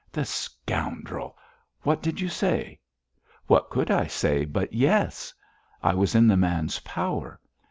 'The scoundrel! What did you say?' 'What could I say but "Yes"? I was in the man's power.